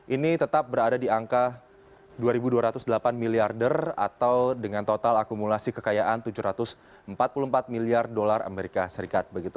ini tetap berada di angka dua dua ratus delapan miliarder atau dengan total akumulasi kekayaan tujuh ratus empat puluh empat miliar dolar amerika serikat